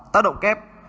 tác động kép